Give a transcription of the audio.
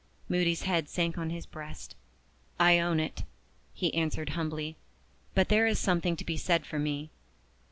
Moody's head sank on his breast. "I own it," he answered humbly. "But there is something to be said for me.